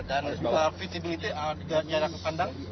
dan visibility ada jarak pandang